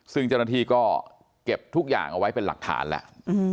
ซึ่งเจ้าหน้าที่ก็เก็บทุกอย่างเอาไว้เป็นหลักฐานแหละ